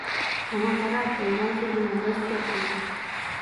ماڭا قارا، يالغان سۆزلىمە راست گەپ قىلغىن!